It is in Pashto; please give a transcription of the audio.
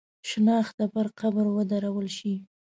شنخته پر قبر ودرول شي.